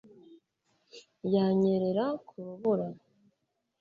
yanyerera ku rubura